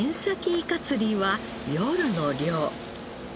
イカ釣りは夜の漁。